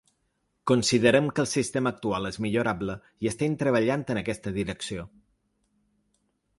Considerem que el sistema actual és millorable i estem treballant en aquesta direcció.